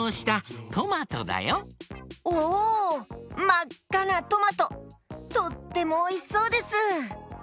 まっかなトマトとってもおいしそうです！